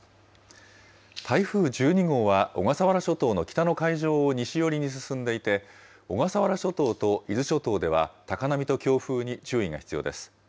台風１２号は小笠原諸島の北の海上を西寄りに進んでいて、小笠原諸島と伊豆諸島では、高波と強風に注意が必要です。